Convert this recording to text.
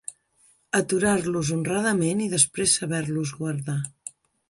Aturar-los honradament, i després saber-los guardar